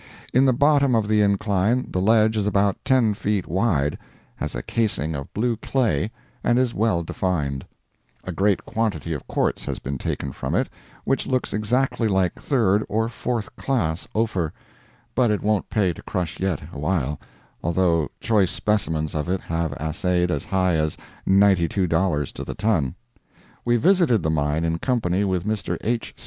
In the bottom of the incline the ledge is about ten feet wide, has a casing of blue clay, and is well defined; a great quantity of quartz has been taken from it, which looks exactly like third or fourth class Ophir, but it won't pay to crush yet awhile, although choice specimens of it have assayed as high as ninety two dollars to the ton. We visited the mine in company with Mr. H.